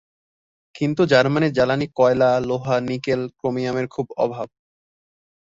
কিন্তু জার্মানির জ্বালানি-কয়লা-লোহা-নিকেল-ক্রোমিয়ামের খুব অভাব।